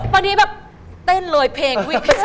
บางทีแบบเต้นเลยเพลง